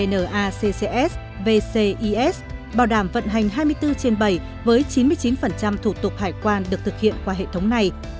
vnaccs vcis bảo đảm vận hành hai mươi bốn trên bảy với chín mươi chín thủ tục hải quan được thực hiện qua hệ thống này